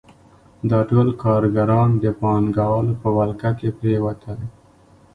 دا ټول کارګران د پانګوالو په ولکه کې پرېوتل